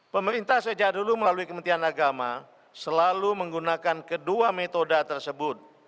pemerintah sejak dulu melalui kementerian agama selalu menggunakan kedua metode tersebut